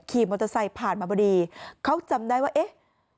ขี่มอเตอร์ไซค์ผ่านมาพอดีเขาจำได้ว่าเอ๊ะ